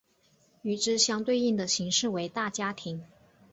与之相对应的形式为大家庭。